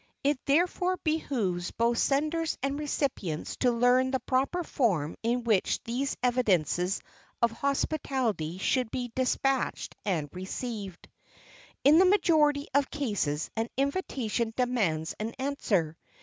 It therefore behooves both senders and recipients to learn the proper form in which these evidences of hospitality should be despatched and received. In the majority of cases an invitation demands an answer.